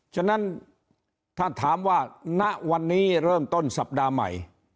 ฉะนั้นถ้าถามว่าณวันนี้เริ่มต้นสัปดาห์ใหม่